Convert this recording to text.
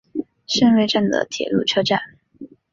胜瑞站的铁路车站。